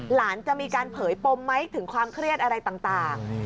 หลานจะมีการเผยปมไหมถึงความเครียดอะไรต่าง